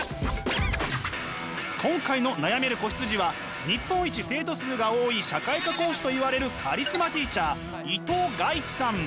今回の悩める子羊は日本一生徒数が多い社会科講師といわれるカリスマティーチャー伊藤賀一さん。